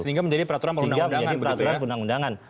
sehingga menjadi peraturan undang undangan